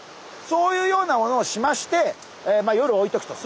そういうようなものをしましてまあ夜置いとくと。